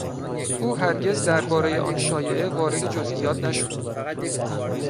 او هرگز دربارهی آن شایعه وارد جزئیات نشد.